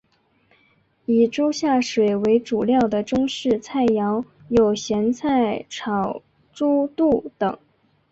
以猪下水为主料的中式菜肴有咸菜炒猪肚等。